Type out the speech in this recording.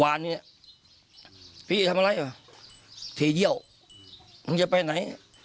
วานเนี้ยพี่จะทำอะไรวะทีเดียวมึงจะไปไหน